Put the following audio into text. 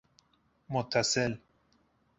متصل